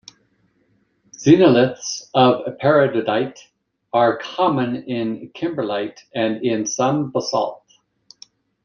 Xenoliths of peridotite are common in kimberlite and in some basalt.